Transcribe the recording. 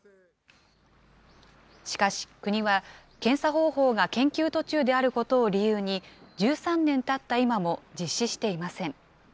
しかし、国は検査方法が研究途中であることを理由に、１３年たった今も、実施していません。